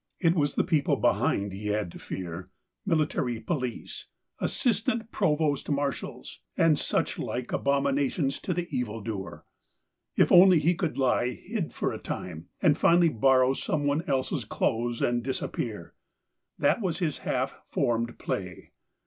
It was the people behind he had to fear, military police, assistant provost marshals, and such like abominations to the evil doer. If only he could lie hid for a time, and finally borrow some one else's clothes and disappear — that was his half formed play.